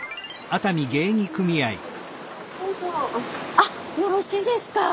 あっよろしいですか？